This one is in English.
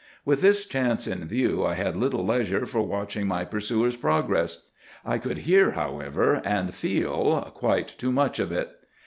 With this chance in view I had little leisure for watching my pursuer's progress. I could hear, however, and feel, quite too much of it.